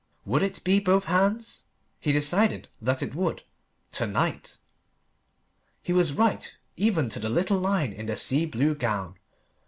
Would it be both hands? He decided that it would to night. He was right, even to the little line in the sea blue gown.